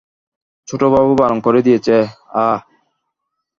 ছোটবাবু বারণ করে দিয়েছে, অ্যাঁ?